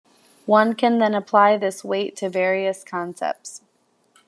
One can then apply this weight to various concepts.